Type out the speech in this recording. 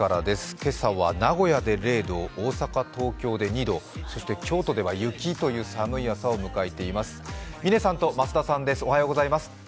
今朝は名古屋で０度大阪、東京で２度そして京都では雪という寒い朝を迎えています。